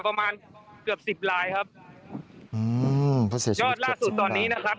ประมาณเกือบสิบลายครับอืมผู้เสียชีวิตเกือบสิบลายยอดล่าสุดตอนนี้นะครับ